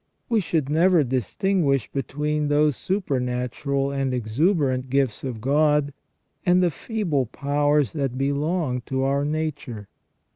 We should never distinguish between those supernatural and exu berant gifts of God and the feeble powers that belong to our nature.